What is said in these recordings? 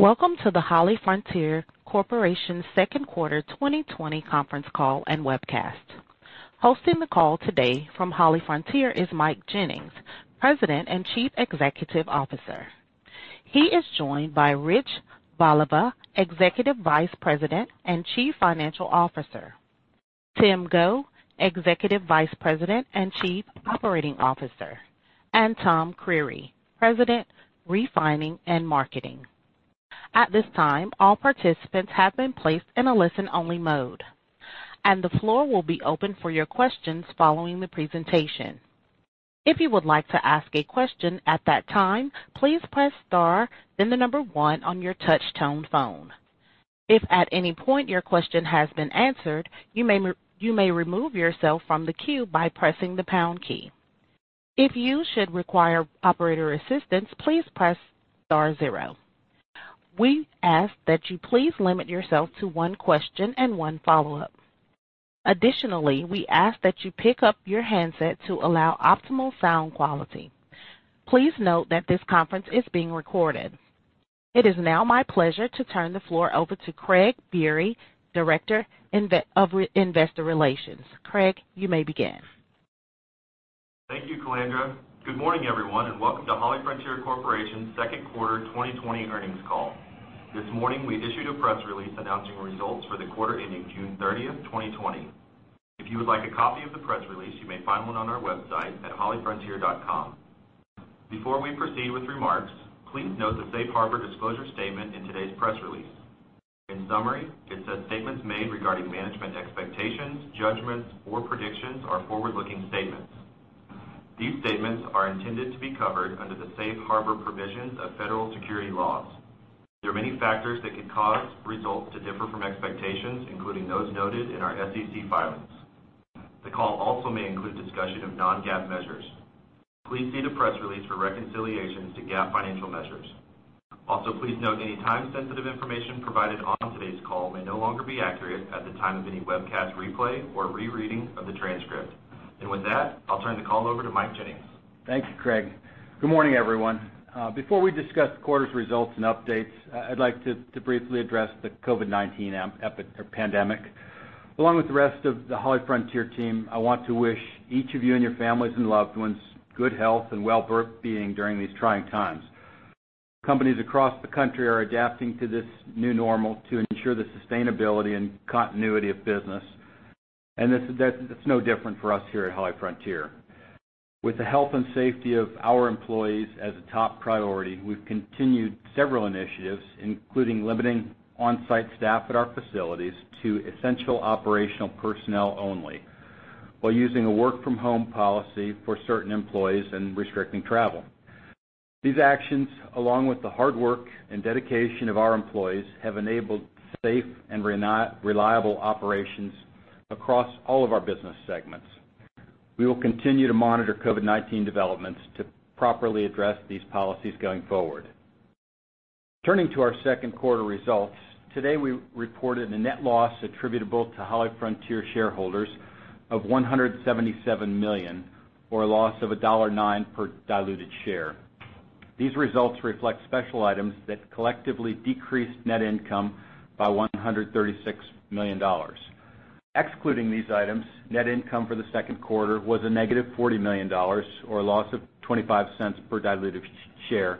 Welcome to the HollyFrontier Corporation second quarter 2020 conference call and webcast. Hosting the call today from HollyFrontier is Mike Jennings, President and Chief Executive Officer. He is joined by Rich Voliva, Executive Vice President and Chief Financial Officer, Tim Go, Executive Vice President and Chief Operating Officer, and Tom Creery, President, Refining and Marketing. At this time, all participants have been placed in a listen-only mode, and the floor will be open for your questions following the presentation. If you would like to ask a question at that time, please press star, then the number star on your touch-tone phone. If at any point your question has been answered, you may remove yourself from the queue by pressing the pound key. If you should require operator assistance, please press star zero. We ask that you please limit yourself to one question and one follow-up. Additionally, we ask that you pick up your handset to allow optimal sound quality. Please note that this conference is being recorded. It is now my pleasure to turn the floor over to Craig Biery, Director of Investor Relations. Craig, you may begin. Thank you, Calandra. Good morning, everyone, and welcome to HollyFrontier Corporation's second quarter 2020 earnings call. This morning, we issued a press release announcing results for the quarter ending June 30th, 2020. If you would like a copy of the press release, you may find one on our website at hollyfrontier.com. Before we proceed with remarks, please note the Safe Harbor disclosure statement in today's press release. In summary, it says statements made regarding management expectations, judgments, or predictions are forward-looking statements. These statements are intended to be covered under the safe harbor provisions of federal security laws. There are many factors that could cause results to differ from expectations, including those noted in our SEC filings. The call also may include discussion of non-GAAP measures. Please see the press release for reconciliations to GAAP financial measures. Also, please note any time-sensitive information provided on today's call may no longer be accurate at the time of any webcast replay or rereading of the transcript. With that, I'll turn the call over to Mike Jennings. Thank you, Craig. Good morning, everyone. Before we discuss the quarter's results and updates, I'd like to briefly address the COVID-19 pandemic. Along with the rest of the HollyFrontier team, I want to wish each of you and your families and loved ones good health and wellbeing during these trying times. Companies across the country are adapting to this new normal to ensure the sustainability and continuity of business. It's no different for us here at HollyFrontier. With the health and safety of our employees as a top priority, we've continued several initiatives, including limiting on-site staff at our facilities to essential operational personnel only, while using a work-from-home policy for certain employees and restricting travel. These actions, along with the hard work and dedication of our employees, have enabled safe and reliable operations across all of our business segments. We will continue to monitor COVID-19 developments to properly address these policies going forward. Turning to our second quarter results, today we reported a net loss attributable to HollyFrontier shareholders of $177 million, or a loss of $1.09 per diluted share. These results reflect special items that collectively decreased net income by $136 million. Excluding these items, net income for the second quarter was a -$40 million, or a loss of $0.25 per diluted share,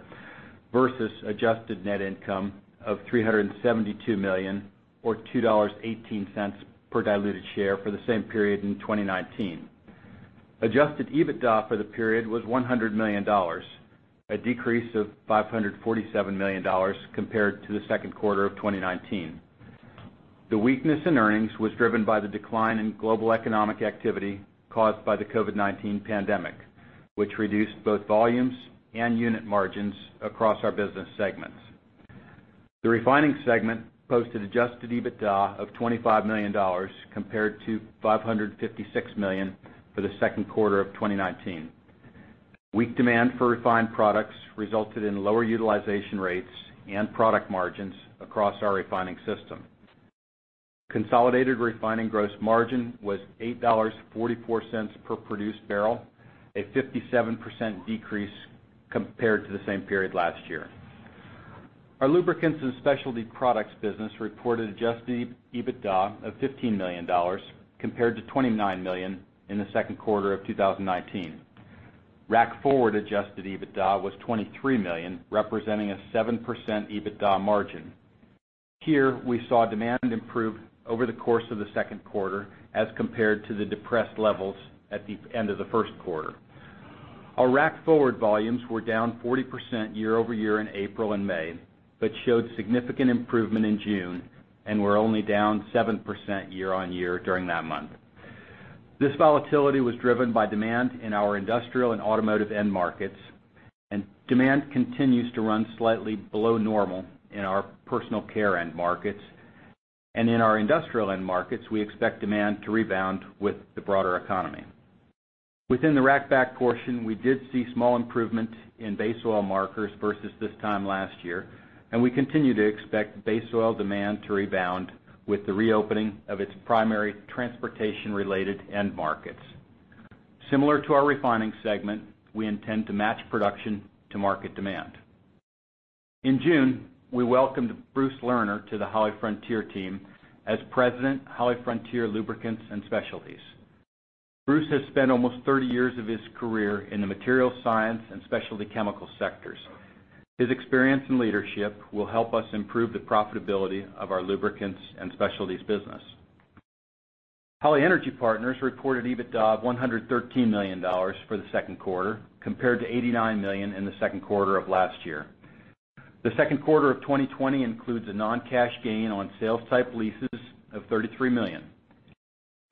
versus adjusted net income of $372 million, or $2.18 per diluted share for the same period in 2019. Adjusted EBITDA for the period was $100 million, a decrease of $547 million compared to the second quarter of 2019. The weakness in earnings was driven by the decline in global economic activity caused by the COVID-19 pandemic, which reduced both volumes and unit margins across our business segments. The refining segment posted adjusted EBITDA of $25 million compared to $556 million for the second quarter of 2019. Weak demand for refined products resulted in lower utilization rates and product margins across our refining system. Consolidated refining gross margin was $8.44 per produced barrel, a 57% decrease compared to the same period last year. Our Lubricants and Specialty Products business reported adjusted EBITDA of $15 million, compared to $29 million in the second quarter of 2019. rack forward adjusted EBITDA was $23 million, representing a 7% EBITDA margin. Here, we saw demand improve over the course of the second quarter as compared to the depressed levels at the end of the first quarter. Our rack forward volumes were down 40% year-over-year in April and May, but showed significant improvement in June and were only down 7% year-on-year during that month. This volatility was driven by demand in our industrial and automotive end markets, and demand continues to run slightly below normal in our personal care end markets. In our industrial end markets, we expect demand to rebound with the broader economy. Within the rack back portion, we did see small improvement in base oil markers versus this time last year, and we continue to expect base oil demand to rebound with the reopening of its primary transportation-related end markets. Similar to our refining segment, we intend to match production to market demand. In June, we welcomed Bruce Lerner to the HollyFrontier team as President, HollyFrontier Lubricants and Specialties. Bruce has spent almost 30 years of his career in the material science and specialty chemical sectors. His experience and leadership will help us improve the profitability of our Lubricants and Specialties business. Holly Energy Partners reported EBITDA of $113 million for the second quarter, compared to $89 million in the second quarter of last year. The second quarter of 2020 includes a non-cash gain on sales-type leases of $33 million.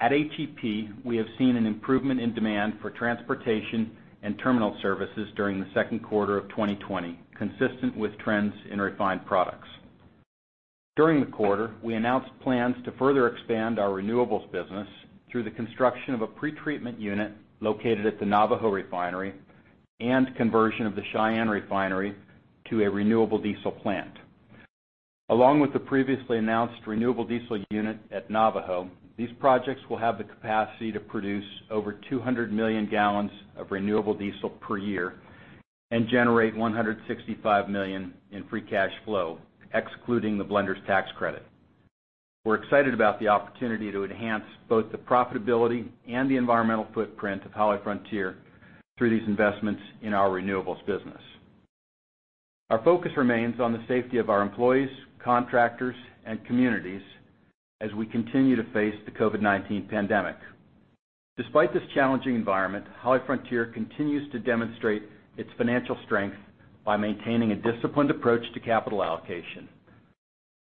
At HEP, we have seen an improvement in demand for transportation and terminal services during the second quarter of 2020, consistent with trends in refined products. During the quarter, we announced plans to further expand our renewables business through the construction of a pretreatment unit located at the Navajo Refinery and conversion of the Cheyenne Refinery to a renewable diesel plant. Along with the previously announced renewable diesel unit at Navajo, these projects will have the capacity to produce over 200 million gallons of renewable diesel per year and generate $165 million in free cash flow, excluding the blender's tax credit. We're excited about the opportunity to enhance both the profitability and the environmental footprint of HollyFrontier through these investments in our renewables business. Our focus remains on the safety of our employees, contractors, and communities as we continue to face the COVID-19 pandemic. Despite this challenging environment, HollyFrontier continues to demonstrate its financial strength by maintaining a disciplined approach to capital allocation.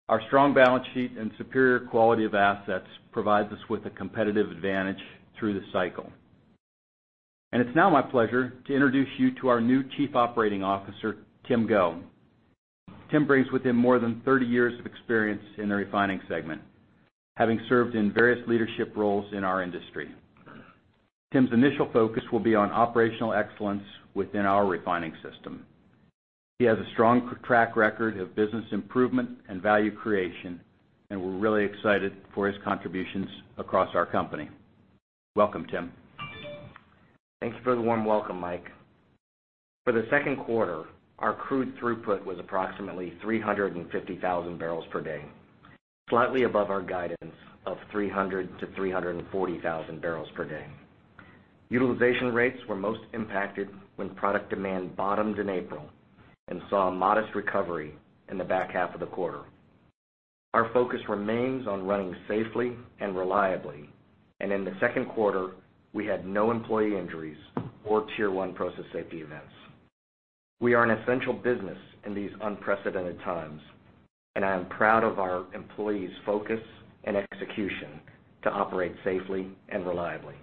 Our strong balance sheet and superior quality of assets provides us with a competitive advantage through the cycle. It's now my pleasure to introduce you to our new Chief Operating Officer, Tim Go. Tim brings with him more than 30 years of experience in the refining segment, having served in various leadership roles in our industry. Tim's initial focus will be on operational excellence within our refining system. He has a strong track record of business improvement and value creation, we're really excited for his contributions across our company. Welcome, Tim. Thank you for the warm welcome, Mike. For the second quarter, our crude throughput was approximately 350,000 bpd, slightly above our guidance of 300,000 bpd-340,000 bpd. Utilization rates were most impacted when product demand bottomed in April and saw a modest recovery in the back half of the quarter. Our focus remains on running safely and reliably. In the second quarter, we had no employee injuries or Tier 1 Process Safety Events. We are an essential business in these unprecedented times, and I am proud of our employees' focus and execution to operate safely and reliably.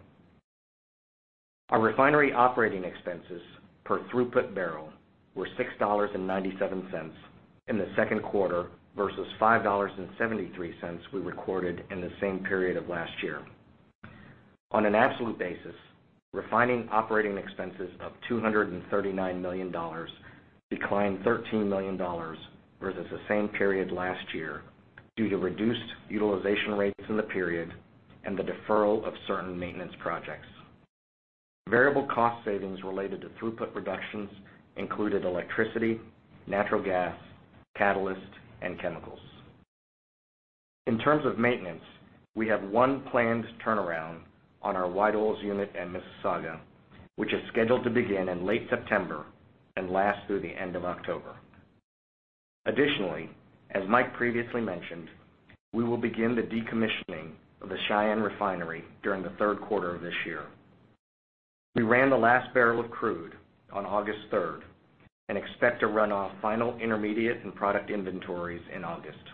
Our refinery operating expenses per throughput barrel were $6.97 in the second quarter versus $5.73 we recorded in the same period of last year. On an absolute basis, refining operating expenses of $239 million declined $13 million versus the same period last year due to reduced utilization rates in the period and the deferral of certain maintenance projects. Variable cost savings related to throughput reductions included electricity, natural gas, catalyst, and chemicals. In terms of maintenance, we have one planned turnaround on our White Oils Unit in Mississauga, which is scheduled to begin in late September and last through the end of October. Additionally, as Mike previously mentioned, we will begin the decommissioning of the Cheyenne Refinery during the third quarter of this year. We ran the last barrel of crude on August third and expect to run off final intermediate and product inventories in August.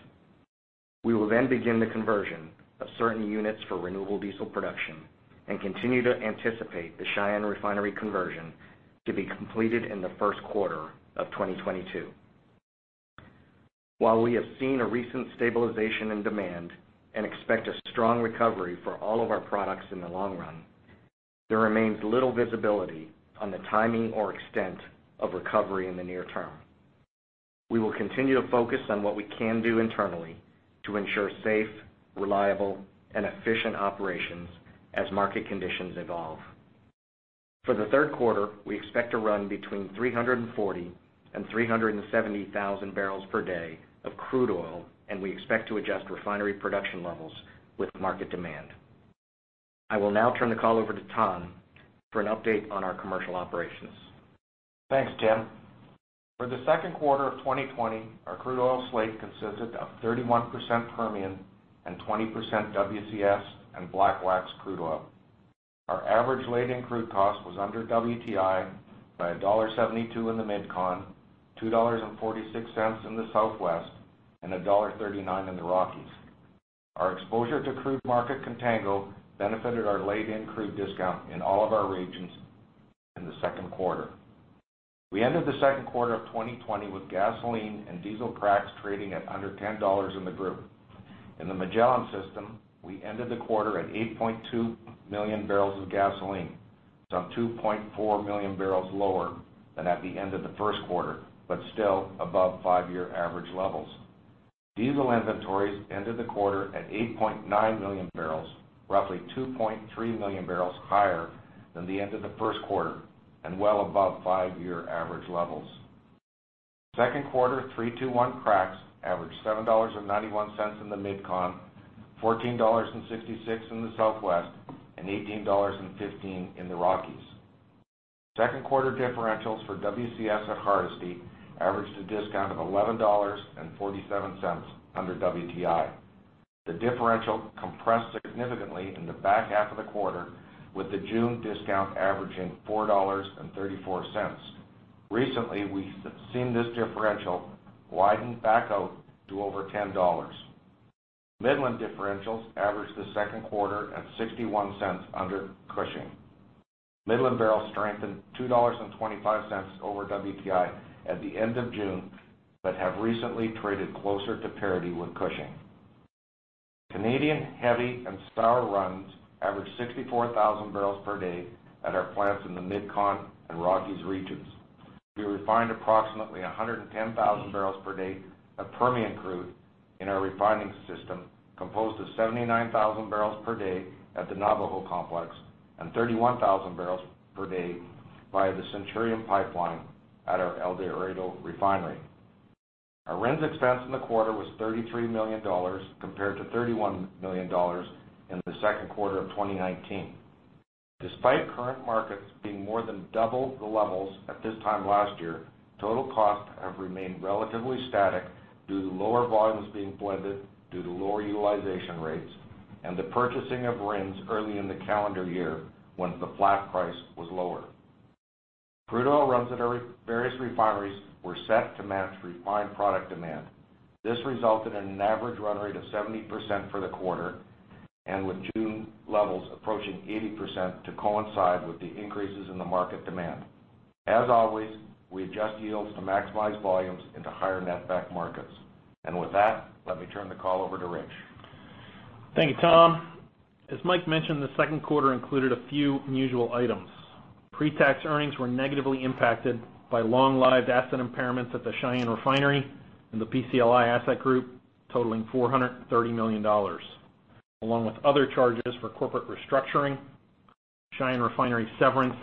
We will begin the conversion of certain units for renewable diesel production and continue to anticipate the Cheyenne Refinery conversion to be completed in the first quarter of 2022. While we have seen a recent stabilization in demand and expect a strong recovery for all of our products in the long run, there remains little visibility on the timing or extent of recovery in the near-term. We will continue to focus on what we can do internally to ensure safe, reliable, and efficient operations as market conditions evolve. For the third quarter, we expect to run between 340,000 bpd and 370,000 bpd of crude oil, and we expect to adjust refinery production levels with market demand. I will now turn the call over to Tom for an update on our commercial operations. Thanks, Tim. For the second quarter of 2020, our crude oil slate consisted of 31% Permian and 20% WCS and black wax crude oil. Our average laid-in crude cost was under WTI by $1.72 in the MidCon, $2.46 in the Southwest, and $1.39 in the Rockies. Our exposure to crude market contango benefited our laid-in crude discount in all of our regions in the second quarter. We ended the second quarter of 2020 with gasoline and diesel cracks trading at under $10 in the Gulf. In the Magellan system, we ended the quarter at 8.2 MM of gasoline, some 2.4 million barrels lower than at the end of the first quarter, but still above five-year average levels. Diesel inventories ended the quarter at 8.9 million barrels, roughly 2.3 million barrels higher than the end of the first quarter and well above five-year average levels. Second quarter 3-2-1 cracks averaged $7.91 in the MidCon, $14.66 in the Southwest, and $18.15 in the Rockies. Second quarter differentials for WCS at Hardisty averaged a discount of $11.47 under WTI. The differential compressed significantly in the back half of the quarter, with the June discount averaging $4.34. Recently, we've seen this differential widen back out to over $10. Midland differentials averaged the second quarter at $0.61 under Cushing. Midland barrels strengthened $2.25 over WTI at the end of June but have recently traded closer to parity with Cushing. Canadian heavy and sour runs averaged 64,000 bpd at our plants in the MidCon and Rockies regions. We refined approximately 110,000 bpd of Permian crude in our refining system, composed of 79,000 barrels per day at the Navajo complex and 31,000 bpd via the Centurion Pipeline at our El Dorado Refinery. Our RINs expense in the quarter was $33 million, compared to $31 million in the second quarter of 2019. Despite current markets being more than double the levels at this time last year, total costs have remained relatively static due to lower volumes being blended due to lower utilization rates and the purchasing of RINs early in the calendar year when the flat price was lower. Crude oil runs at our various refineries were set to match refined product demand. This resulted in an average run rate of 70% for the quarter, and with June levels approaching 80% to coincide with the increases in the market demand. As always, we adjust yields to maximize volumes into higher netback markets. With that, let me turn the call over to Rich. Thank you, Tom. As Mike mentioned, the second quarter included a few unusual items. Pre-tax earnings were negatively impacted by long-lived asset impairments at the Cheyenne Refinery and the PCLI asset group totaling $430 million, along with other charges for corporate restructuring, Cheyenne Refinery severance,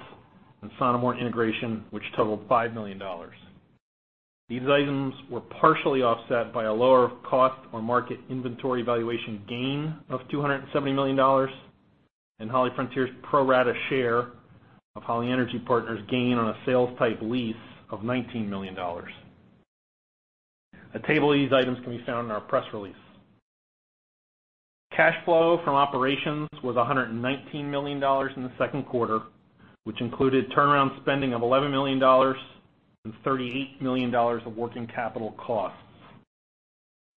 and Sonneborn integration, which totaled $5 million. These items were partially offset by a lower cost or market inventory valuation gain of $270 million and HollyFrontier's pro rata share of Holly Energy Partners' gain on a sales-type lease of $19 million. A table of these items can be found in our press release. Cash flow from operations was $119 million in the second quarter, which included turnaround spending of $11 million and $38 million of working capital costs.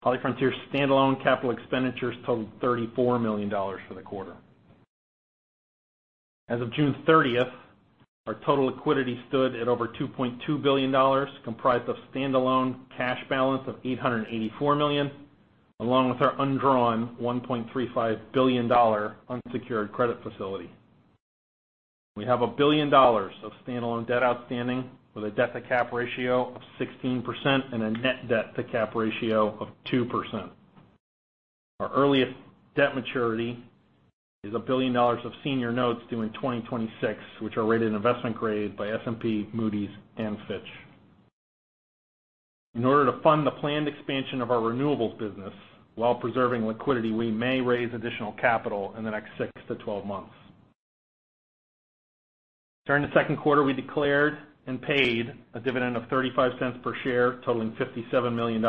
HollyFrontier's standalone capital expenditures totaled $34 million for the quarter. As of June 30th, our total liquidity stood at over $2.2 billion, comprised of standalone cash balance of $884 million, along with our undrawn $1.35 billion unsecured credit facility. We have $1 billion of standalone debt outstanding, with a debt-to-cap ratio of 16% and a net debt-to-cap ratio of 2%. Our earliest debt maturity is $1 billion of senior notes due in 2026, which are rated investment grade by S&P, Moody's, and Fitch. In order to fund the planned expansion of our renewables business while preserving liquidity, we may raise additional capital in the next 6-12 months. During the second quarter, we declared and paid a dividend of $0.35 per share, totaling $57 million.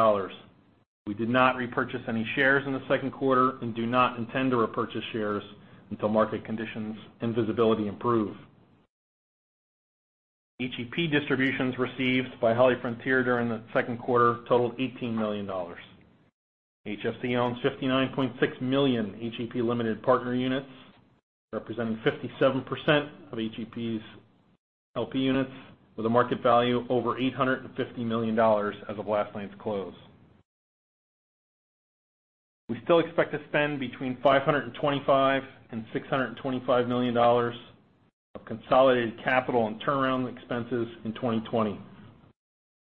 We did not repurchase any shares in the second quarter and do not intend to repurchase shares until market conditions and visibility improve. HEP distributions received by HollyFrontier during the second quarter totaled $18 million. HFC owns 59.6 million HEP limited partner units, representing 57% of HEP's LP units with a market value over $850 million as of last night's close. We still expect to spend between $525 million-$625 million of consolidated capital and turnaround expenses in 2020,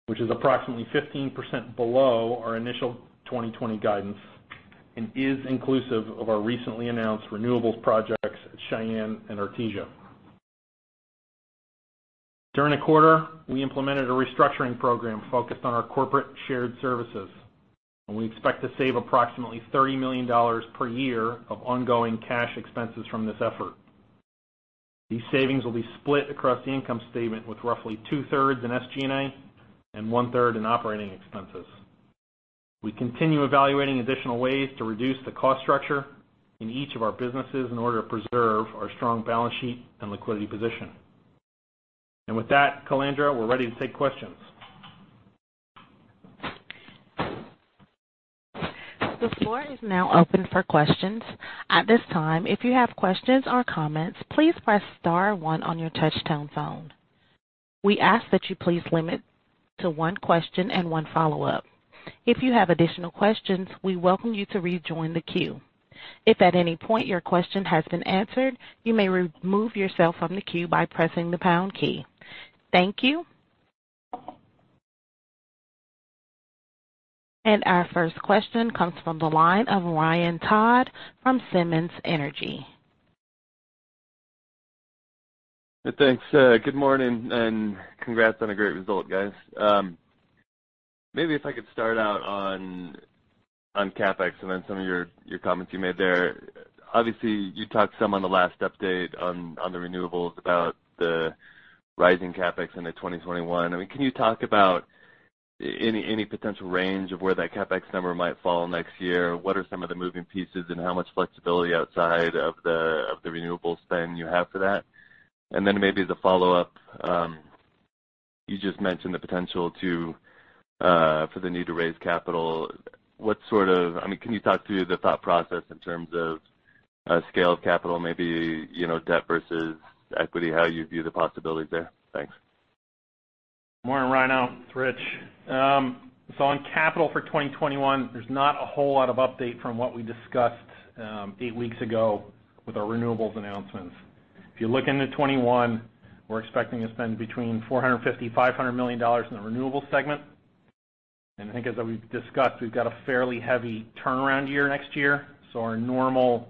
which is approximately 15% below our initial 2020 guidance and is inclusive of our recently announced renewables projects at Cheyenne and Artesia. During the quarter, we implemented a restructuring program focused on our corporate shared services, and we expect to save approximately $30 million per year of ongoing cash expenses from this effort. These savings will be split across the income statement, with roughly 2/3 in SG&A and 1/3 in operating expenses. We continue evaluating additional ways to reduce the cost structure in each of our businesses in order to preserve our strong balance sheet and liquidity position. With that, Calandra, we're ready to take questions. The floor is now open for questions. At this time, if you have questions or comments, please press star one on your touchtone phone. We ask that you please limit to one question and one follow-up. If you have additional questions, we welcome you to rejoin the queue. If at any point your question has been answered, you may remove yourself from the queue by pressing the pound key. Thank you. Our first question comes from the line of Ryan Todd from Simmons Energy. Thanks. Good morning. Congrats on a great result, guys. Maybe if I could start out on CapEx and then some of your comments you made there. Obviously, you talked some on the last update on the renewables about the rising CapEx into 2021. Can you talk about any potential range of where that CapEx number might fall next year? What are some of the moving pieces? How much flexibility outside of the renewable spend you have for that? Then maybe the follow-up, you just mentioned the potential for the need to raise capital. Can you talk through the thought process in terms of scale of capital, maybe, debt versus equity, how you view the possibilities there? Thanks. Morning, Ryan. It's Rich. On capital for 2021, there's not a whole lot of update from what we discussed eight weeks ago with our renewables announcements. If you look into 2021, we're expecting to spend between $450 million-$500 million in the renewables segment. I think as we've discussed, we've got a fairly heavy turnaround year next year. Our normal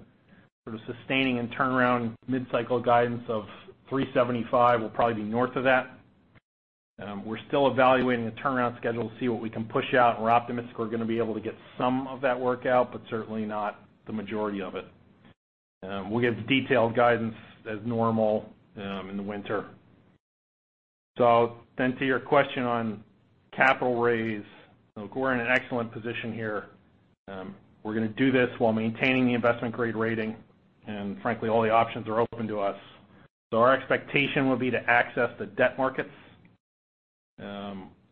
sort of sustaining and turnaround mid-cycle guidance of $375 million will probably be north of that. We're still evaluating the turnaround schedule to see what we can push out. We're optimistic we're going to be able to get some of that work out, but certainly not the majority of it. We'll give detailed guidance as normal in the winter. To your question on capital raise, look, we're in an excellent position here. We're going to do this while maintaining the investment-grade rating. Frankly, all the options are open to us. Our expectation would be to access the debt markets.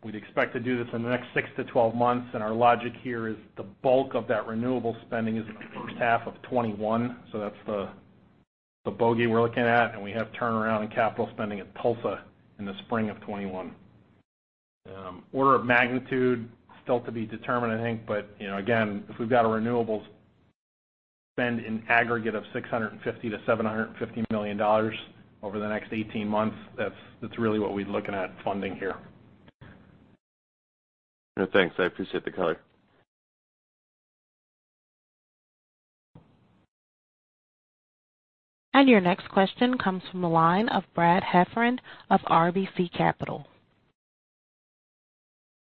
We'd expect to do this in the next 6-12 months, and our logic here is the bulk of that renewable spending is in the first half of 2021, so that's the bogey we're looking at, and we have turnaround in capital spending at Tulsa in the spring of 2021. Order of magnitude, still to be determined, I think, but again, if we've got a renewables spend in aggregate of $650 million-$750 million over the next 18 months, that's really what we're looking at funding here. Thanks. I appreciate the color. Your next question comes from the line of Brad Heffern of RBC Capital.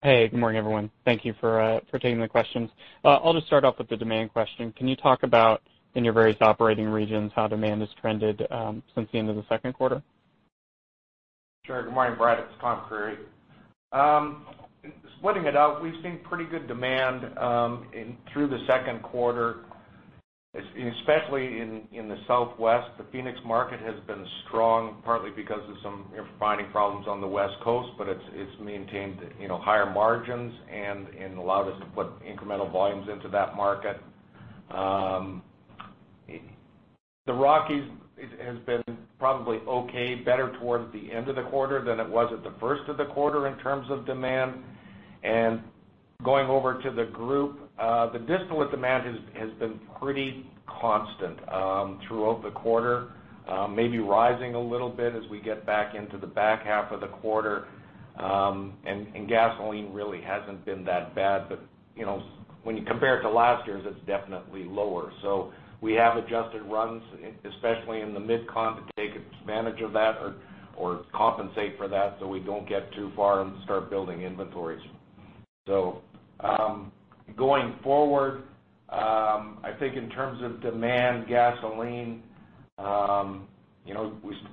Hey, good morning, everyone. Thank you for taking the questions. I'll just start off with the demand question. Can you talk about, in your various operating regions, how demand has trended since the end of the second quarter? Sure. Good morning, Brad. It's Tom Creery. Splitting it out, we've seen pretty good demand through the second quarter, especially in the Southwest. The Phoenix market has been strong, partly because of some refining problems on the West Coast, but it's maintained higher margins and allowed us to put incremental volumes into that market. The Rockies has been probably okay, better towards the end of the quarter than it was at the first of the quarter in terms of demand. Going over to the group, the distillate demand has been pretty constant throughout the quarter, maybe rising a little bit as we get back into the back half of the quarter. Gasoline really hasn't been that bad, but when you compare it to last year's, it's definitely lower. We have adjusted runs, especially in the MidCon, to take advantage of that or compensate for that so we don't get too far and start building inventories. Going forward, I think in terms of demand, gasoline,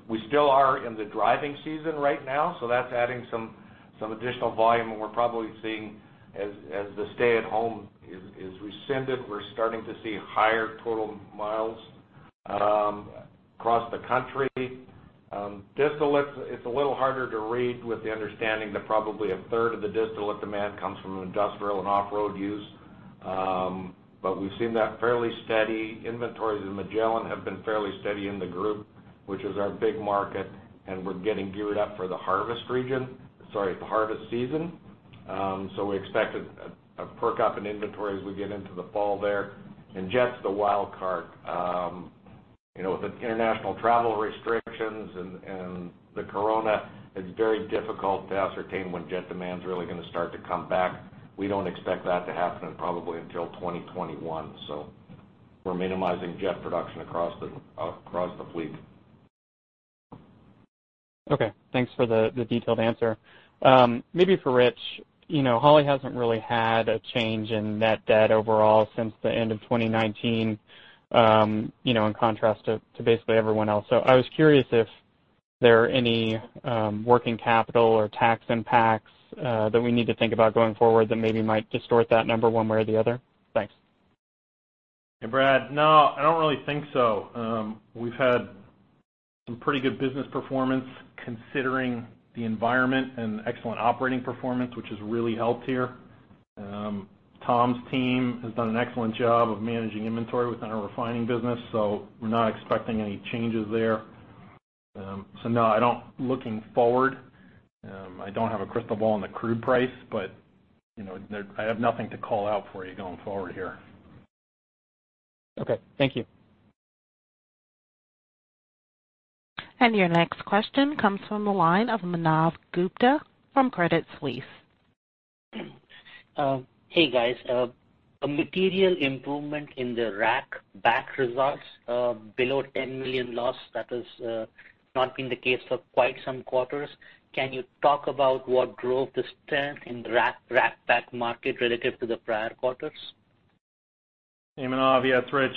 we still are in the driving season right now, so that's adding some additional volume, and we're probably seeing as the stay-at-home is rescinded, we're starting to see higher total miles across the country. Distillate, it's a little harder to read with the understanding that probably a third of the distillate demand comes from industrial and off-road use. We've seen that fairly steady. Inventories in Magellan have been fairly steady in the group, which is our big market, and we're getting geared up for the harvest season. We expect a perk up in inventory as we get into the fall there. Jet's the wild card. With the international travel restrictions and the corona, it's very difficult to ascertain when jet demand's really going to start to come back. We don't expect that to happen probably until 2021, so we're minimizing jet production across the fleet. Okay, thanks for the detailed answer. Maybe for Rich. Holly hasn't really had a change in net debt overall since the end of 2019, in contrast to basically everyone else. I was curious if there are any working capital or tax impacts that we need to think about going forward that maybe might distort that number one way or the other? Thanks. Hey, Brad. No, I don't really think so. We've had some pretty good business performance considering the environment and excellent operating performance, which has really helped here. Tom's team has done an excellent job of managing inventory within our refining business, so we're not expecting any changes there. No, looking forward, I don't have a crystal ball on the crude price, but I have nothing to call out for you going forward here. Okay, thank you. Your next question comes from the line of Manav Gupta from Credit Suisse. Hey, guys. A material improvement in the rack back results below $10 million loss, that has not been the case for quite some quarters. Can you talk about what drove the strength in rack back market relative to the prior quarters? Hey, Manav. Yeah, it's Rich.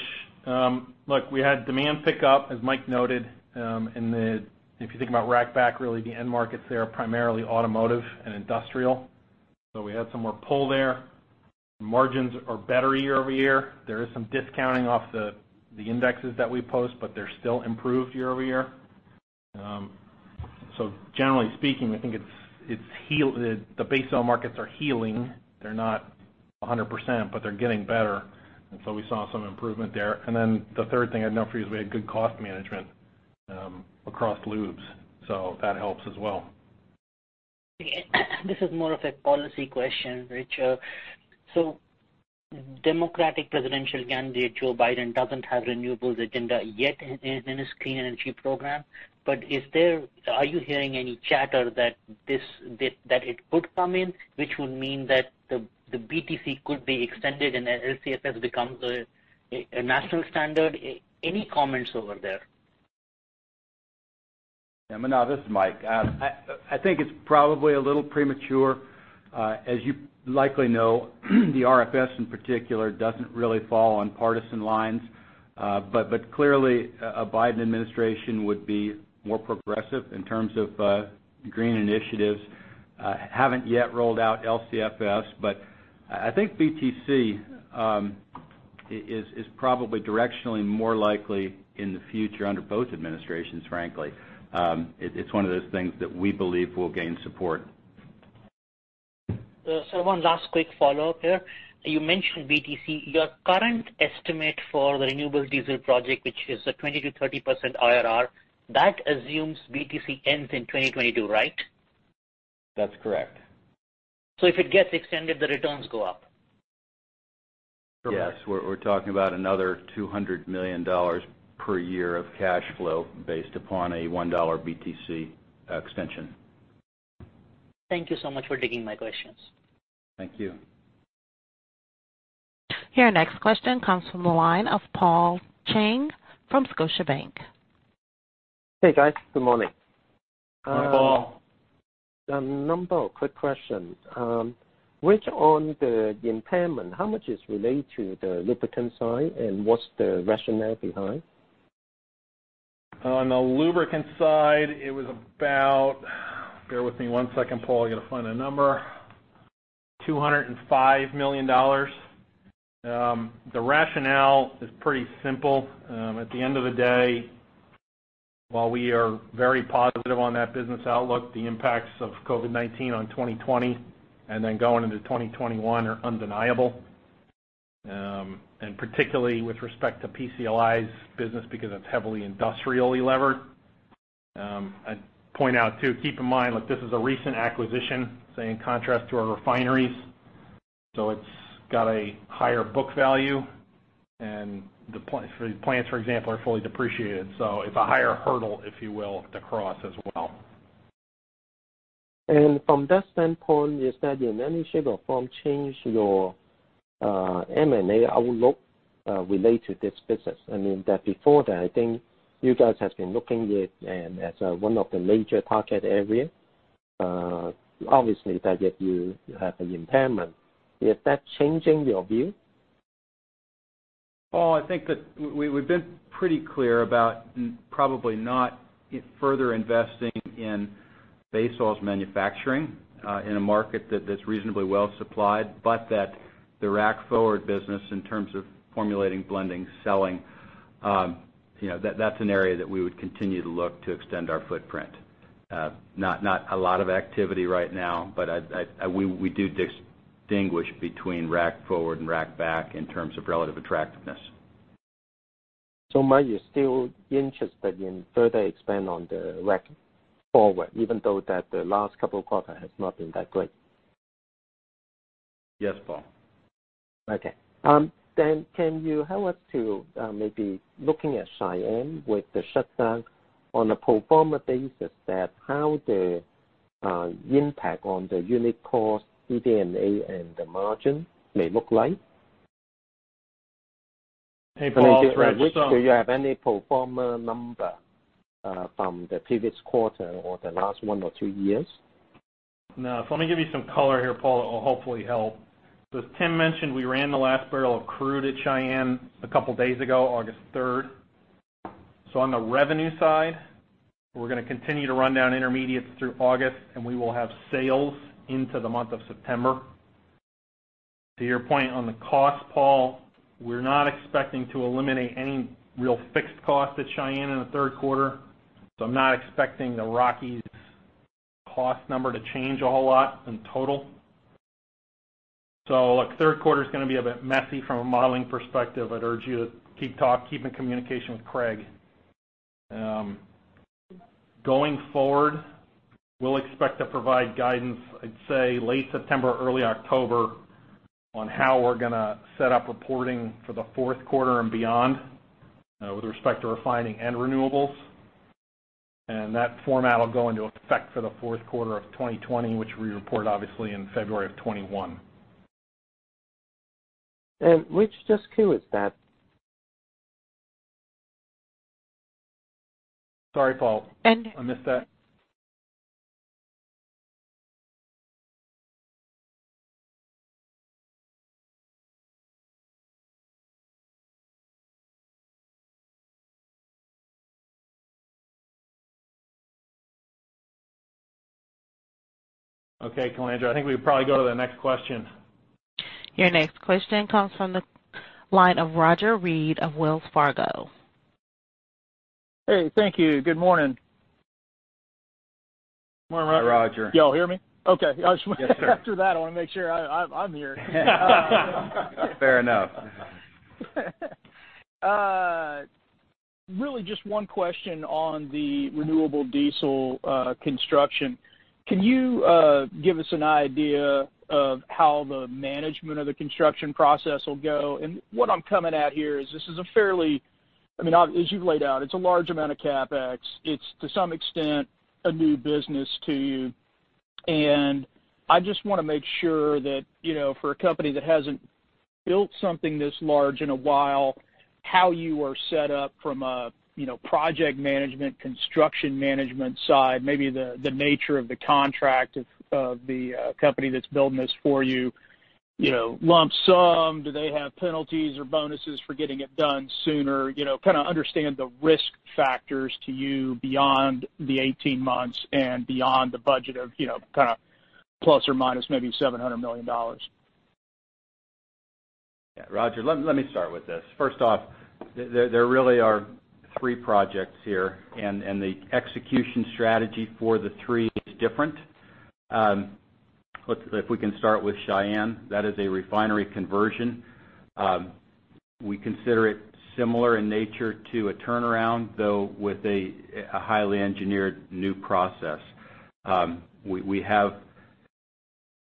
Look, we had demand pick up, as Mike noted, and if you think about rack back, really the end markets there are primarily automotive and industrial. We had some more pull there. Margins are better year-over-year. There is some discounting off the indexes that we post, but they're still improved year-over-year. Generally speaking, I think the base oil markets are healing. They're not 100%, but they're getting better, and so we saw some improvement there. The third thing I'd note for you is we had good cost management across lubes, so that helps as well. This is more of a policy question, Rich. Democratic presidential candidate Joe Biden doesn't have renewables agenda yet in his clean energy program. Are you hearing any chatter that it could come in, which would mean that the BTC could be extended and LCFS becomes a national standard? Any comments over there? Yeah, Manav, this is Mike. I think it's probably a little premature. As you likely know, the RFS in particular doesn't really fall on partisan lines. Clearly, a Biden administration would be more progressive in terms of green initiatives. Haven't yet rolled out LCFS. I think BTC is probably directionally more likely in the future under both administrations, frankly. It's one of those things that we believe will gain support. One last quick follow-up here. You mentioned BTC, your current estimate for the renewable diesel project, which is a 20%-30% IRR, that assumes BTC ends in 2022, right? That's correct. If it gets extended, the returns go up? Correct. Yes. We're talking about another $200 million per year of cash flow based upon a $1 BTC extension. Thank you so much for taking my questions. Thank you. Your next question comes from the line of Paul Cheng from Scotiabank. Hey, guys. Good morning. Hi, Paul. A number of quick questions. Rich, on the impairment, how much is related to the lubricant side and what's the rationale behind? On the lubricant side, it was about Bear with me one second, Paul. I got to find the number. $205 million. The rationale is pretty simple. At the end of the day, while we are very positive on that business outlook, the impacts of COVID-19 on 2020 and then going into 2021 are undeniable. Particularly with respect to PCLI's business, because it's heavily industrially levered. I'd point out, too, keep in mind, look, this is a recent acquisition, say, in contrast to our refineries, it's got a higher book value. The plants, for example, are fully depreciated. It's a higher hurdle, if you will, to cross as well. From that standpoint, is that in any shape or form change your M&A outlook related to this business? Before that, I think you guys have been looking at it as one of the major target area. Obviously, that you have an impairment. Is that changing your view? Paul, I think that we've been pretty clear about probably not further investing in base oils manufacturing in a market that's reasonably well supplied, but that the rack forward business in terms of formulating, blending, selling, that's an area that we would continue to look to extend our footprint. Not a lot of activity right now, but we do distinguish between rack forward and rack back in terms of relative attractiveness. Mike, you're still interested in further expand on the rack forward, even though that the last couple of quarter has not been that great? Yes, Paul. Okay. Can you help us to maybe looking at Cheyenne with the shutdown on a pro forma basis, that how the impact on the unit cost, EBITDA, and the margin may look like? Hey, Paul, it's Rich. Do you have any pro forma number from the previous quarter or the last one or two years? No. Let me give you some color here, Paul. It will hopefully help. As Tim mentioned, we ran the last barrel of crude at Cheyenne a couple of days ago, August 3rd. On the revenue side, we're going to continue to run down intermediates through August, and we will have sales into the month of September. To your point on the cost, Paul, we're not expecting to eliminate any real fixed cost at Cheyenne in the third quarter. I'm not expecting the Rockies cost number to change a whole lot in total. Look, third quarter is going to be a bit messy from a modeling perspective. I'd urge you to keep in communication with Craig. Going forward, we'll expect to provide guidance, I'd say late September, early October, on how we're going to set up reporting for the fourth quarter and beyond with respect to refining and renewables. That format will go into effect for the fourth quarter of 2020, which we report obviously in February of 2021. Rich, just who is that? Sorry, Paul, I missed that. Okay, Calandra, I think we'll probably go to the next question. Your next question comes from the line of Roger Read of Wells Fargo. Hey, thank you. Good morning. Morning, Roger. You all hear me? Okay. Yes, sir. After that, I want to make sure I'm here. Fair enough. Really just one question on the renewable diesel construction. Can you give us an idea of how the management of the construction process will go? What I'm coming at here is, as you've laid out, it's a large amount of CapEx. It's, to some extent, a new business to you. I just want to make sure that, for a company that hasn't built something this large in a while, how you are set up from a project management, construction management side. Maybe the nature of the contract of the company that's building this for you. Lump sum, do they have penalties or bonuses for getting it done sooner? Kind of understand the risk factors to you beyond the 18 months and beyond the budget of ±$700 million. Roger, let me start with this. First off, there really are three projects here, and the execution strategy for the three is different. If we can start with Cheyenne, that is a refinery conversion. We consider it similar in nature to a turnaround, though with a highly engineered new process. We have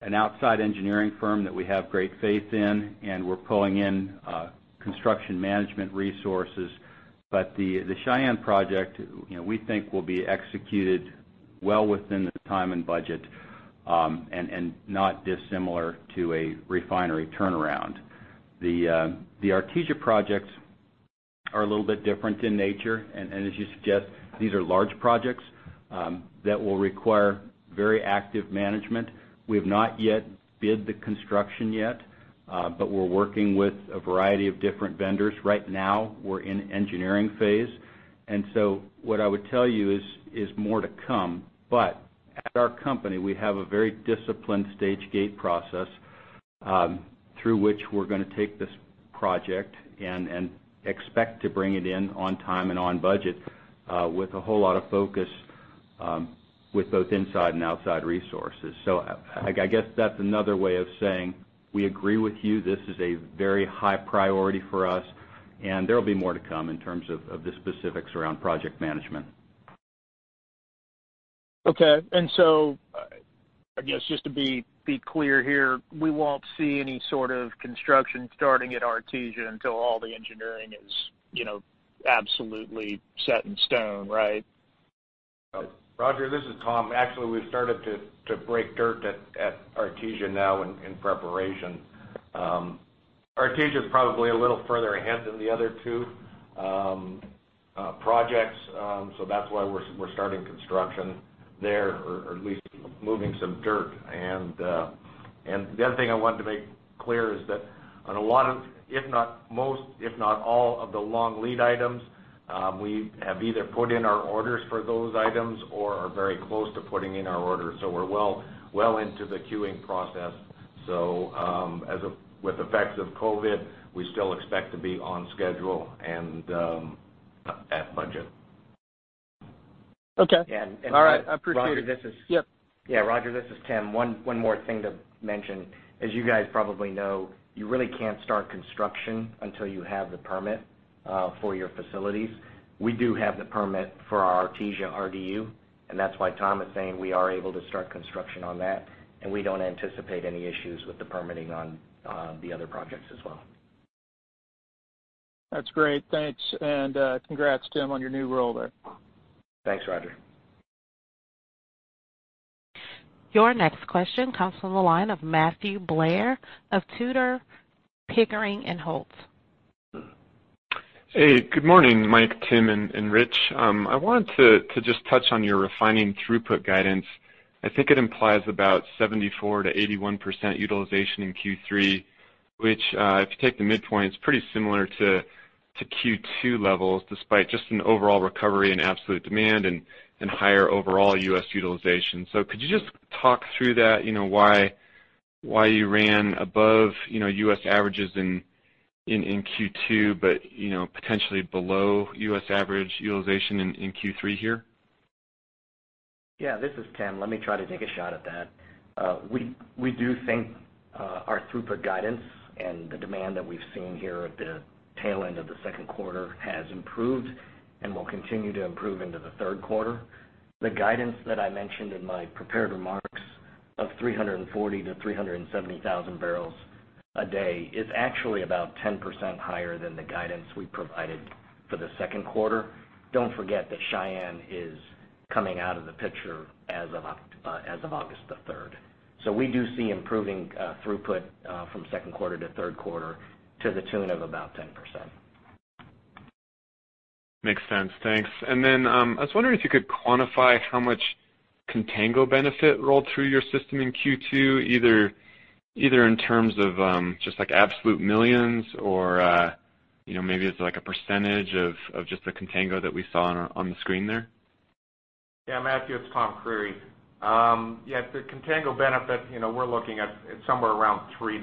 an outside engineering firm that we have great faith in, and we're pulling in construction management resources. The Cheyenne project, we think will be executed well within the time and budget, and not dissimilar to a refinery turnaround. The Artesia projects are a little bit different in nature. As you suggest, these are large projects that will require very active management. We have not yet bid the construction yet, but we're working with a variety of different vendors. Right now, we're in engineering phase. So what I would tell you is more to come. At our company, we have a very disciplined stage gate process, through which we're going to take this project and expect to bring it in on time and on budget with a whole lot of focus with both inside and outside resources. I guess that's another way of saying we agree with you, this is a very high priority for us, and there'll be more to come in terms of the specifics around project management. Okay. I guess just to be clear here, we won't see any sort of construction starting at Artesia until all the engineering is absolutely set in stone, right? Roger, this is Tom. Actually, we started to break dirt at Artesia now in preparation. Artesia's probably a little further ahead than the other two projects. That's why we're starting construction there or at least moving some dirt. The other thing I wanted to make clear is that on a lot of, if not most, if not all of the long lead items, we have either put in our orders for those items or are very close to putting in our orders. We're well into the queuing process. With effects of COVID-19, we still expect to be on schedule and at budget. Okay. All right. I appreciate it. Yeah, Roger, this is Tim. One more thing to mention. As you guys probably know, you really can't start construction until you have the permit for your facilities. We do have the permit for our Artesia RDU, and that's why Tom is saying we are able to start construction on that, and we don't anticipate any issues with the permitting on the other projects as well. That's great. Thanks. congrats, Tim, on your new role there. Thanks, Roger. Your next question comes from the line of Matthew Blair of Tudor, Pickering, & Holt. Hey, good morning, Mike, Tim, and Rich. I wanted to just touch on your refining throughput guidance. I think it implies about 74%-81% utilization in Q3, which, if you take the midpoint, is pretty similar to Q2 levels, despite just an overall recovery in absolute demand and higher overall U.S. utilization. Could you just talk through that? Why you ran above U.S. averages in Q2, but potentially below U.S. average utilization in Q3 here? Yeah, this is Tim. Let me try to take a shot at that. We do think our throughput guidance and the demand that we've seen here at the tail end of the second quarter has improved and will continue to improve into the third quarter. The guidance that I mentioned in my prepared remarks of 340,000 bpd-370,000 bpd is actually about 10% higher than the guidance we provided for the second quarter. Don't forget that Cheyenne is coming out of the picture as of August the 3rd. We do see improving throughput from second quarter to third quarter to the tune of about 10%. Makes sense. Thanks. I was wondering if you could quantify how much contango benefit rolled through your system in Q2, either in terms of just absolute millions or maybe it's a percentage of just the contango that we saw on the screen there. Yeah, Matthew, it's Tom Creery. Yeah, the contango benefit, we're looking at somewhere around $3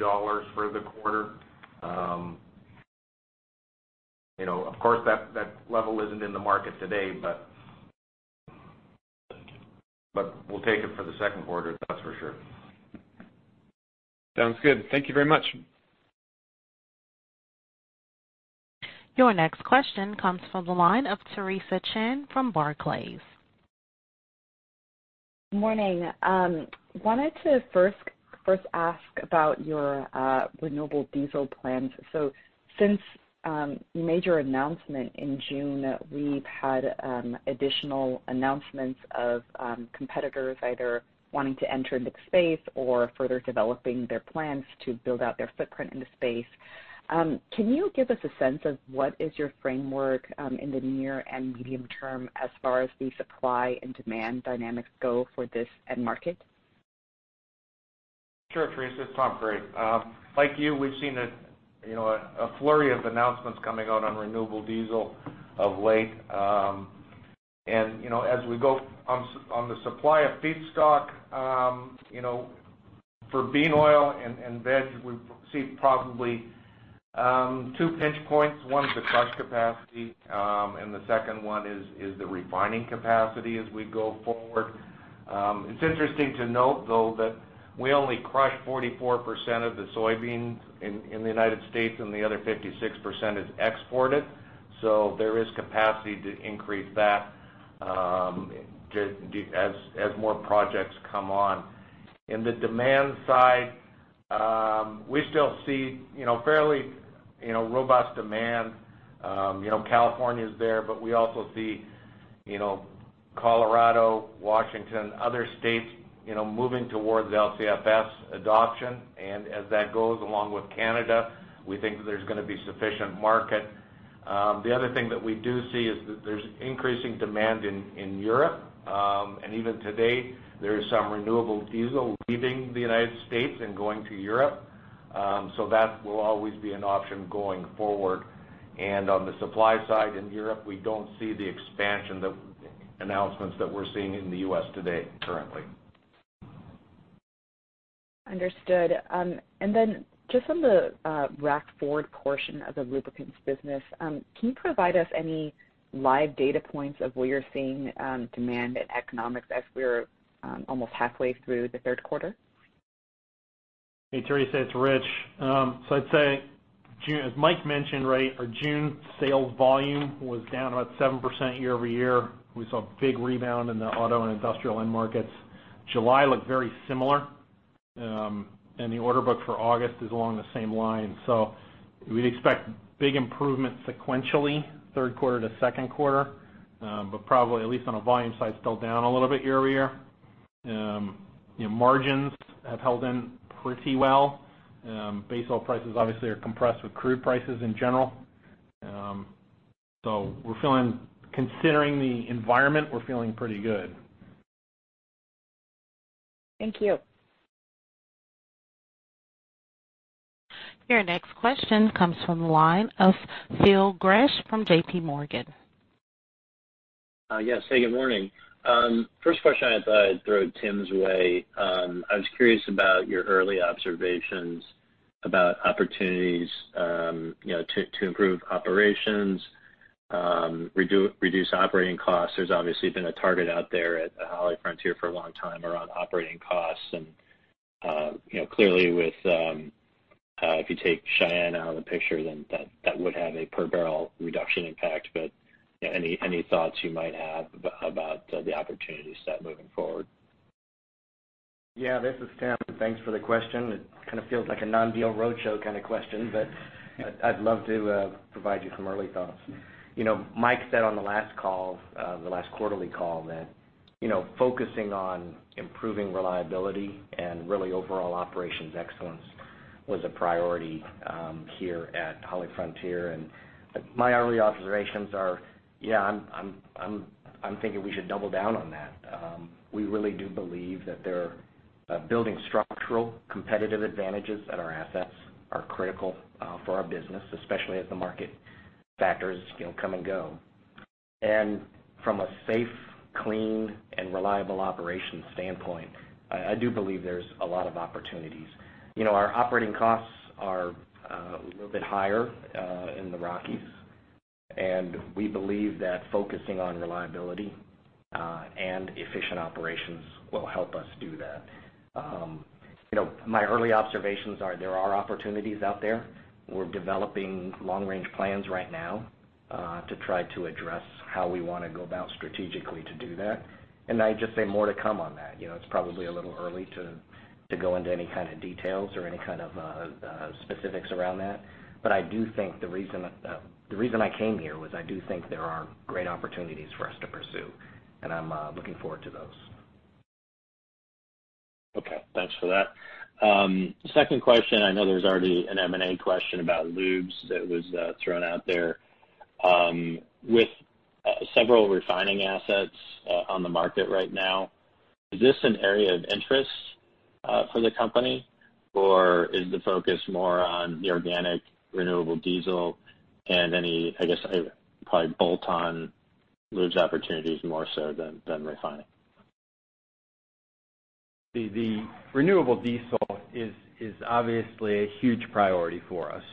for the quarter. Of course, that level isn't in the market today, but we'll take it for the second quarter, that's for sure. Sounds good. Thank you very much. Your next question comes from the line of Theresa Chen from Barclays. Morning. Wanted to first ask about your renewable diesel plans. Since major announcement in June, we've had additional announcements of competitors either wanting to enter into the space or further developing their plans to build out their footprint in the space. Can you give us a sense of what is your framework in the near and medium-term as far as the supply and demand dynamics go for this end market? Sure, Theresa, it's Tom Creery. Like you, we've seen a flurry of announcements coming out on renewable diesel of late. as we go on the supply of feedstock for soybean oil and veg, we see probably two pinch points. One is the crush capacity, and the second one is the refining capacity as we go forward. It's interesting to note, though, that we only crush 44% of the soybeans in the United States, and the other 56% is exported. there is capacity to increase that as more projects come on. In the demand side, we still see fairly robust demand. California's there, but we also see Colorado, Washington, other states moving towards LCFS adoption. as that goes, along with Canada, we think that there's going to be sufficient market. The other thing that we do see is that there's increasing demand in Europe. Even today, there is some renewable diesel leaving the United States and going to Europe. That will always be an option going forward. On the supply side in Europe, we don't see the expansion announcements that we're seeing in the U.S. today currently. Understood. just on the rack forward portion of the lubricants business, can you provide us any live data points of where you're seeing demand and economics as we're almost halfway through the third quarter? Hey, Theresa, it's Rich. I'd say, as Mike mentioned, our June sales volume was down about 7% year-over-year. We saw a big rebound in the auto and industrial end markets. July looked very similar. The order book for August is along the same line. We'd expect big improvement sequentially, third quarter to second quarter. Probably at least on a volume side, still down a little bit year-over-year. Margins have held in pretty well. Base oil prices obviously are compressed with crude prices in general. Considering the environment, we're feeling pretty good. Thank you. Your next question comes from the line of Phil Gresh from JPMorgan. Yes. Hey, good morning. First question I thought I'd throw Tim's way. I was curious about your early observations about opportunities to improve operations, reduce operating costs. There's obviously been a target out there at HollyFrontier for a long time around operating costs. Clearly, if you take Cheyenne out of the picture, then that would have a per barrel reduction impact. Any thoughts you might have about the opportunity set moving forward? Yeah, this is Tim. Thanks for the question. It kind of feels like a non-deal roadshow kind of question, but I'd love to provide you some early thoughts. Mike said on the last call, the last quarterly call, that focusing on improving reliability and really overall operations excellence was a priority here at HollyFrontier. My early observations are, yeah, I'm thinking we should double down on that. We really do believe that building structural competitive advantages at our assets are critical for our business, especially as the market factors come and go. From a safe, clean, and reliable operations standpoint, I do believe there's a lot of opportunities. Our operating costs are a little bit higher in the Rockies. We believe that focusing on reliability and efficient operations will help us do that. My early observations are there are opportunities out there. We're developing long-range plans right now to try to address how we want to go about strategically to do that. I'd just say more to come on that. It's probably a little early to go into any kind of details or any kind of specifics around that. The reason I came here was I do think there are great opportunities for us to pursue, and I'm looking forward to those. Okay. Thanks for that. Second question, I know there's already an M&A question about lubes that was thrown out there. With several refining assets on the market right now, is this an area of interest for the company, or is the focus more on the organic renewable diesel and any, I guess, probably bolt-on lubes opportunities more so than refining? The renewable diesel is obviously a huge priority for us,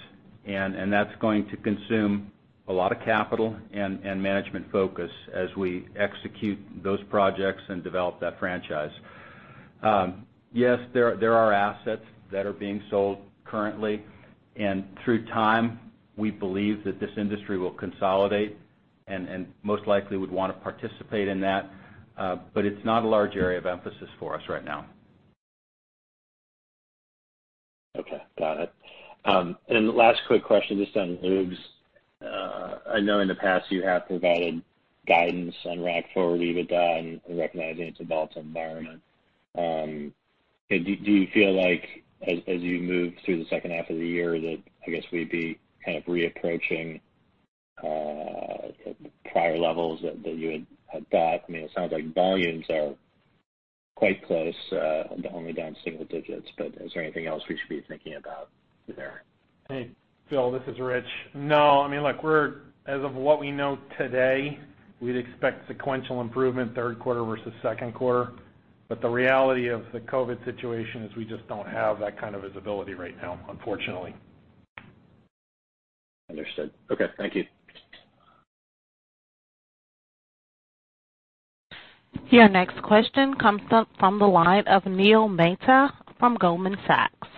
and that's going to consume a lot of capital and management focus as we execute those projects and develop that franchise. Yes, there are assets that are being sold currently. Through time, we believe that this industry will consolidate and most likely would want to participate in that. It's not a large area of emphasis for us right now. Okay. Got it. Last quick question, just on lubes. I know in the past you have provided guidance on rack forward EBITDA and recognizing it's a volatile environment. Do you feel like, as you move through the second half of the year, that, I guess, we'd be kind of re-approaching prior levels that you had thought? It sounds like volumes are quite close, only down single-digits, but is there anything else we should be thinking about there? Hey, Phil, this is Rich. No, as of what we know today, we'd expect sequential improvement third quarter versus second quarter. The reality of the COVID situation is we just don't have that kind of visibility right now, unfortunately. Understood. Okay. Thank you. Your next question comes up from the line of Neil Mehta from Goldman Sachs.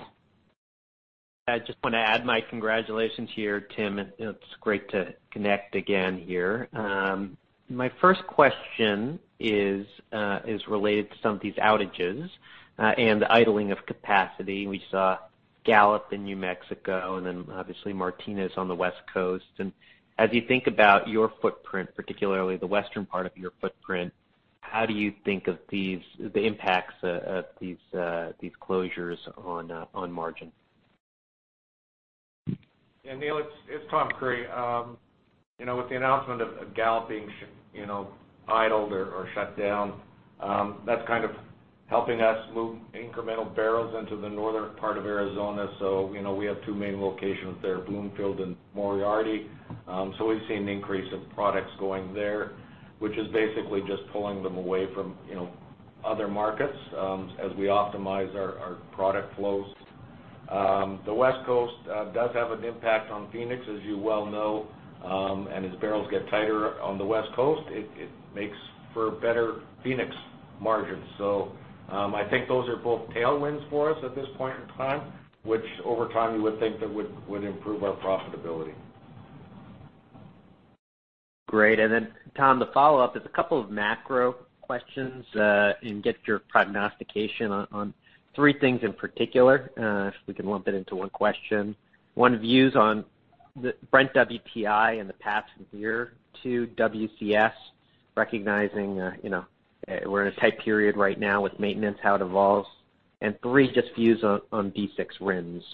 I just want to add my congratulations here, Tim, and it's great to connect again here. My first question is related to some of these outages and the idling of capacity. We saw Gallup in New Mexico and then obviously Martinez on the West Coast. As you think about your footprint, particularly the western part of your footprint, how do you think of the impacts of these closures on margin? Yeah, Neil, it's Tom Creery. With the announcement of Gallup being idled or shut down, that's kind of helping us move incremental barrels into the northern part of Arizona. We have two main locations there, Bloomfield and Moriarty. We've seen an increase of products going there, which is basically just pulling them away from other markets as we optimize our product flows. The West Coast does have an impact on Phoenix, as you well know. As barrels get tighter on the West Coast, it makes for better Phoenix margins. I think those are both tailwinds for us at this point in time, which over time you would think that would improve our profitability. Great. Tom, the follow-up is a couple of macro questions and get your prognostication on three things in particular, if we can lump it into one question. One, views on the Brent WTI in the past year. Two, WCS, recognizing we're in a tight period right now with maintenance, how it evolves. three, just views on D6 RINs.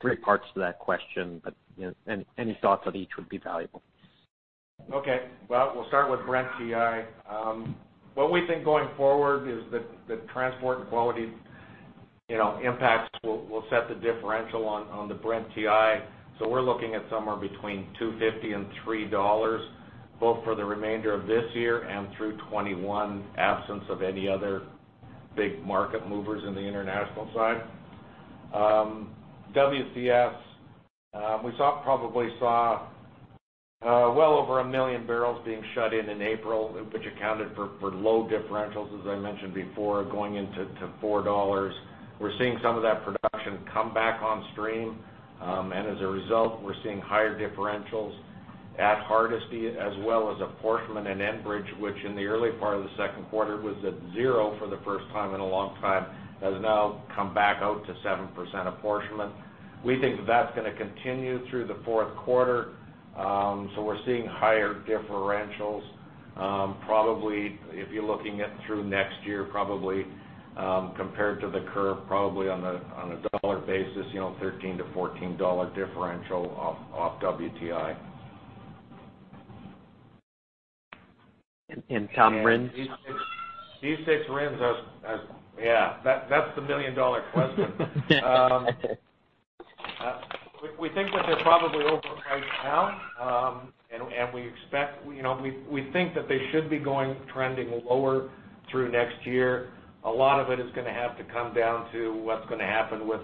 three parts to that question, but any thoughts on each would be valuable. Okay. Well, we'll start with Brent WTI. What we think going forward is that the transport and quality impacts will set the differential on the Brent WTI. So we're looking at somewhere between $2.50-$3, both for the remainder of this year and through 2021, absence of any other big market movers in the international side. WCS, we probably saw well over 1 million barrels being shut in in April, which accounted for low differentials, as I mentioned before, going into $4. We're seeing some of that production come back on stream. As a result, we're seeing higher differentials at Hardisty as well as apportionment in Enbridge, which in the early part of the second quarter was at zero for the first time in a long time, has now come back out to 7% apportionment. We think that's going to continue through the fourth quarter. we're seeing higher differentials. Probably, if you're looking at through next year, compared to the curve, probably on a dollar basis, $13-$14 differential off WTI. Tom, RINs? D6 RINs, yeah, that's the million-dollar question. We think that they're probably overpriced now. We think that they should be trending lower through next year. A lot of it is going to have to come down to what's going to happen with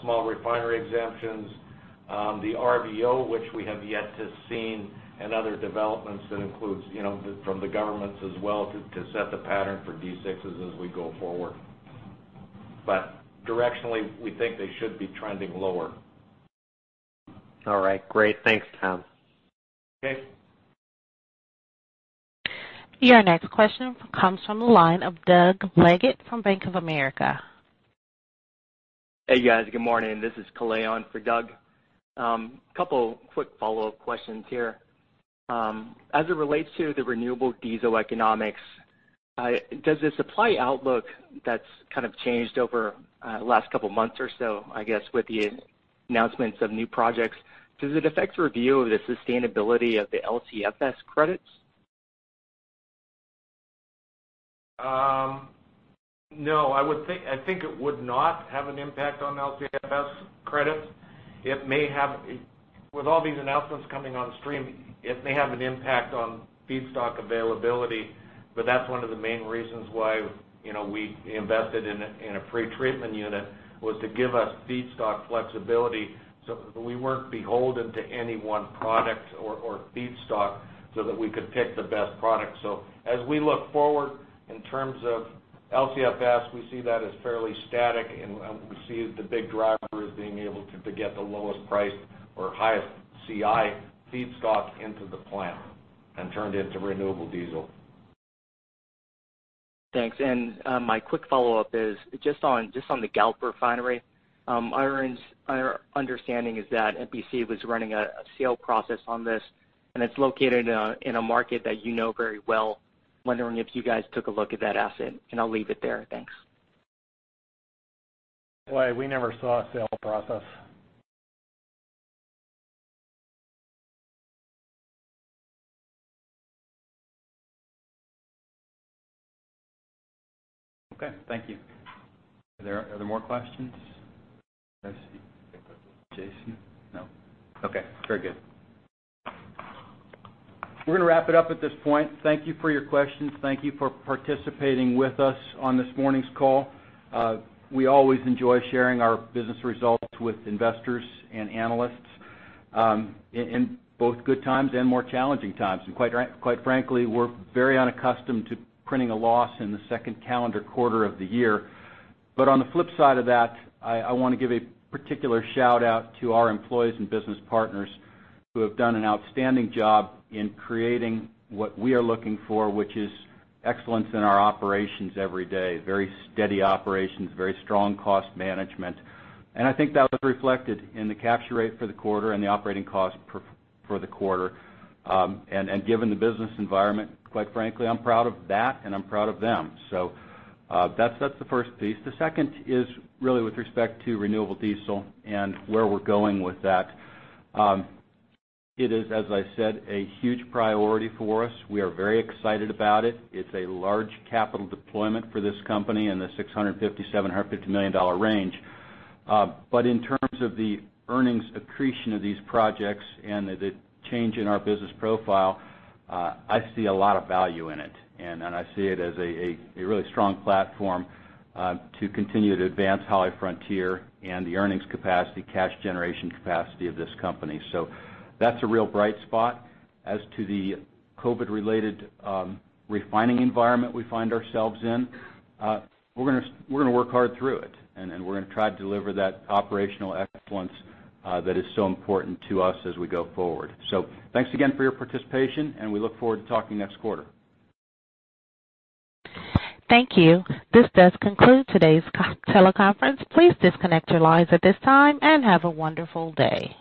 small refinery exemptions, the RVO, which we have yet to see, and other developments that includes from the governments as well, to set the pattern for D6s as we go forward. Directionally, we think they should be trending lower. All right. Great. Thanks, Tom. Okay. Your next question comes from the line of Doug Leggate from Bank of America. Hey, guys. Good morning. This is Kalei for Doug. Couple quick follow-up questions here. As it relates to the renewable diesel economics, does the supply outlook that's kind of changed over last couple months or so, I guess, with the announcements of new projects, does it affect your view of the sustainability of the LCFS credits? No. I think it would not have an impact on LCFS credits. With all these announcements coming on stream, it may have an impact on feedstock availability, but that's one of the main reasons why we invested in a pretreatment unit, was to give us feedstock flexibility so we weren't beholden to any one product or feedstock, so that we could pick the best product. as we look forward in terms of LCFS, we see that as fairly static, and we see the big driver as being able to get the lowest price or highest CI feedstock into the plant and turned into renewable diesel. Thanks. My quick follow-up is just on the Gallup refinery. Our understanding is that MPC was running a sale process on this, and it's located in a market that you know very well. Wondering if you guys took a look at that asset, and I'll leave it there. Thanks. Kalei, we never saw a sale process. Okay. Thank you. Are there more questions? I see Jason. No. Okay. Very good. We're going to wrap it up at this point. Thank you for your questions. Thank you for participating with us on this morning's call. We always enjoy sharing our business results with investors and analysts, in both good times and more challenging times. Quite frankly, we're very unaccustomed to printing a loss in the second calendar quarter of the year. On the flip side of that, I want to give a particular shout-out to our employees and business partners who have done an outstanding job in creating what we are looking for, which is excellence in our operations every day, very steady operations, very strong cost management. I think that was reflected in the capture rate for the quarter and the operating cost for the quarter. Given the business environment, quite frankly, I'm proud of that, and I'm proud of them. That's the first piece. The second is really with respect to renewable diesel and where we're going with that. It is, as I said, a huge priority for us. We are very excited about it. It's a large capital deployment for this company in the $650 million-$750 million range. In terms of the earnings accretion of these projects and the change in our business profile, I see a lot of value in it, and I see it as a really strong platform to continue to advance HollyFrontier and the earnings capacity, cash generation capacity of this company. That's a real bright spot. As to the COVID-related refining environment we find ourselves in, we're going to work hard through it, and we're going to try to deliver that operational excellence that is so important to us as we go forward. Thanks again for your participation, and we look forward to talking next quarter. Thank you. This does conclude today's teleconference. Please disconnect your lines at this time, and have a wonderful day.